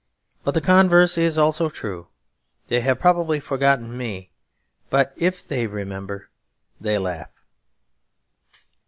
But the converse is also true; they have probably forgotten me; but if they remember they laugh.